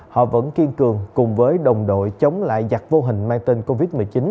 họ vẫn kiên cường cùng với đồng đội chống lại giặc vô hình mang tên covid một mươi chín